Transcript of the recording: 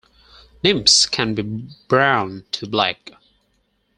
Nymphs can be brown to black.